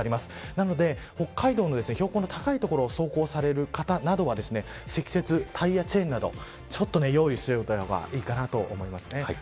なので、北海道の標高の高い所を走行される方などは積雪、タイヤチェーンなどちょっと用意しておいた方がいいかなと思います。